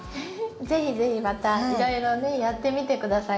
是非是非またいろいろねやってみて下さい。